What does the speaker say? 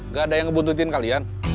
gak ada yang ngebuntutin kalian